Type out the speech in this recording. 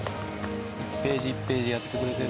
１ページ１ページやってくれてるんだ。